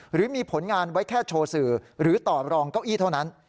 หรือมีผลงานไว้แค่โชว์สื่อหรือต่อรองเก้าอี้เท่านั้น